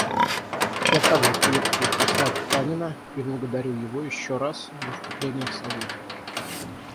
Я также приветствую посла Танина и благодарю его еще раз за выступление в Совете.